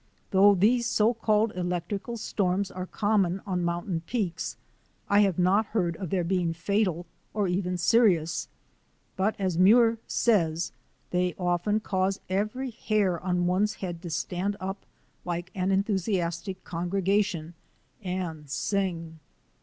Though these so called electrical storms are common on mountain peaks, I have not heard of their being fatal or even serious. But as Muir says, they often cause every hair on one's head to stand up like an enthusiastic congregation and sing.